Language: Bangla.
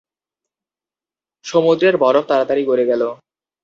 সমুদ্রের বরফ তাড়াতাড়ি গলে গেল।